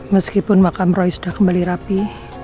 meskipun makam roy sudah kembali rapi